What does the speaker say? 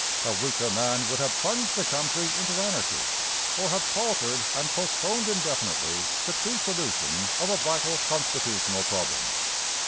A weaker man would have plunged the country into anarchy, or have paltered and postponed indefinitely the true solution of a vital constitutional problem.